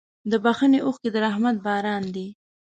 د بښنې اوښکې د رحمت باران دی.